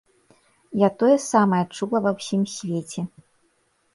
Я тое самае чула ва ўсім свеце.